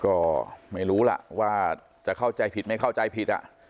ก็ไม่รู้ล่ะว่าจะเข้าใจผิดไม่เข้าใจผิด